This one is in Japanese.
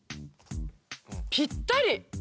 ぴったり！